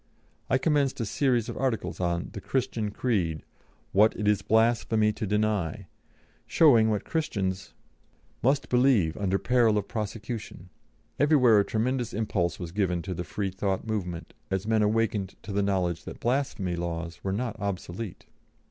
I commenced a series of articles on "The Christian Creed; what it is blasphemy to deny," showing what Christians must believe under peril of prosecution. Everywhere a tremendous impulse was given to the Freethought movement, as men awakened to the knowledge that blasphemy laws were not obsolete.